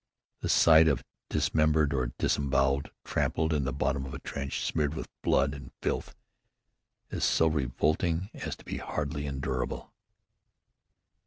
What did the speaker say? The sight of it dismembered or disemboweled, trampled in the bottom of a trench, smeared with blood and filth, is so revolting as to be hardly endurable.